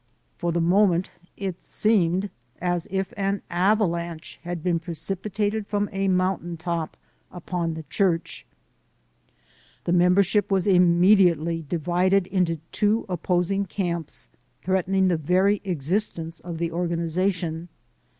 For the moment it seemed as if an avalanche had been precipitated from a mountain top upon the church. The membership was immediately divided into two opposing camps, threatening the very ex istence of the organization.